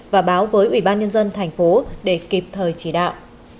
và báo với ubnd tp để kịp thời chỉ đạo